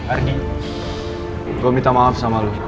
ardi gue minta maaf sama lu